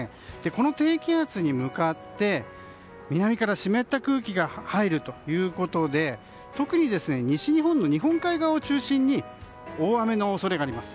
この低気圧に向かって南から湿った空気が入るということで特に、西日本の日本海側を中心に大雨の恐れがあります。